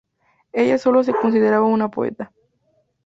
Ella sólo se consideraba una poeta.